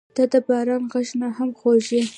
• ته د باران غږ نه هم خوږه یې.